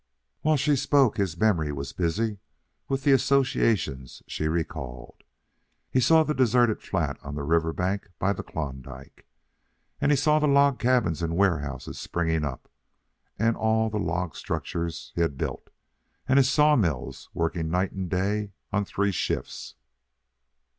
While she spoke his memory was busy with the associations she recalled. He saw the deserted flat on the river bank by the Klondike, and he saw the log cabins and warehouses spring up, and all the log structures he had built, and his sawmills working night and day on three shifts.